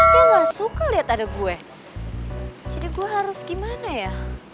dia gak suka liat ada gue jadi gue harus gimana ya